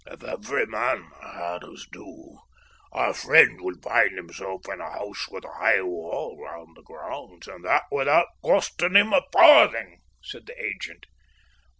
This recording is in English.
"If every man had his due, our friend would find himsel' in a house with a high wall round the grounds, and that without costing him a farthing," said the agent.